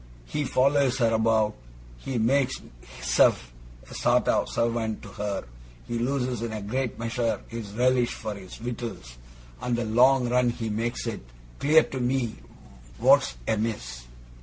He follers her about, he makes hisself a sort o' servant to her, he loses in a great measure his relish for his wittles, and in the long run he makes it clear to me wot's amiss.